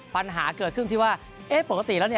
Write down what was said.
ปัญหาเกิดขึ้นที่ว่าเอ๊ะปกติแล้วเนี่ย